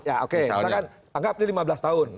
misalnya anggap dia lima belas tahun